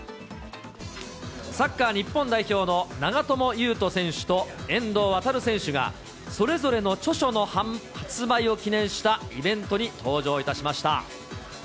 サッカー日本代表の長友佑都選手と遠藤航選手が、それぞれの著書の発売を記念したイベントに登場いたしました。